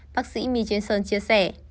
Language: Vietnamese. bác sĩ mitchison chia sẻ